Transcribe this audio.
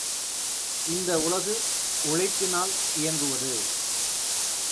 இந்த உலகு உழைப்பினால் இயங்குவது.